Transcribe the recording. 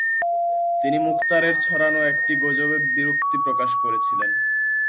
তিনি মুখতারের ছড়ানো একটি গুজবে বিরক্তি প্রকাশ করেছিলেন।